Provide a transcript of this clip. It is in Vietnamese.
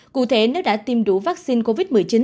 cụ thể nếu đã tiêm đủ vaccine covid một mươi chín